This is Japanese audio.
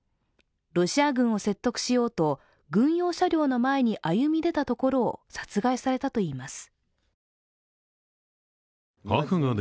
ロシア軍を説得しようと軍用車両の前に歩み出たところを殺害されたといいます。